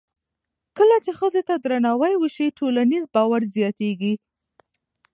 کله چې ښځو ته درناوی وشي، ټولنیز باور زیاتېږي.